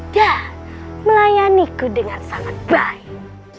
dan melayaniku dengan sangat baik